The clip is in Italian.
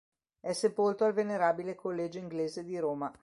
È sepolto al Venerabile Collegio Inglese di Roma.